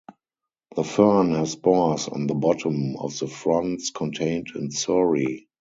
The fern has spores on the bottom of the fronds, contained in sori.